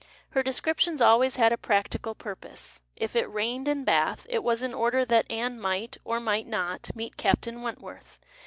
Her descriptions always had a practical purpose. If it rained in Bath, it was in order that Anne might, or might not, meet Captain Went worth.